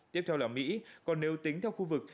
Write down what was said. tiếp theo là mỹ còn nếu tính theo khu vực